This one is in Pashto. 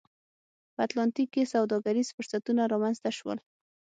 په اتلانتیک کې سوداګریز فرصتونه رامنځته شول.